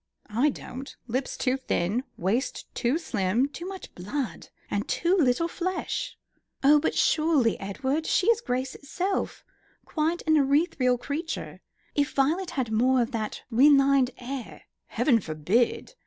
I don't. Lips too thin; waist too slim; too much blood, and too little flesh." "Oh, but surely, Edward, she is grace itself; quite an ethereal creature. If Violet had more of that refined air " "Heaven forbid.